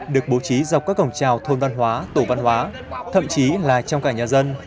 được bố trí dọc các cổng trào thôn văn hóa tổ văn hóa thậm chí là trong cả nhà dân